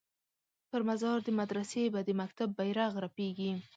پر مزار د مدرسې به د مکتب بیرغ رپیږي